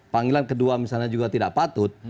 panggilan kedua misalnya juga tidak patut